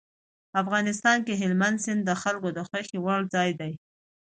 افغانستان کې هلمند سیند د خلکو د خوښې وړ ځای دی.